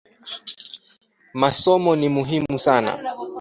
Masomo ni muhimu sana